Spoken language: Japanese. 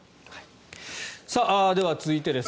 では、続いてです。